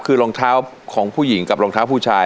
คือรองเท้าของผู้หญิงกับรองเท้าผู้ชาย